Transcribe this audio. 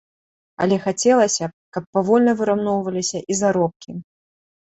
Але хацелася б, каб павольна выраўноўваліся і заробкі.